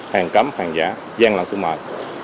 hàng cấm hàng giả gian lặng thu mời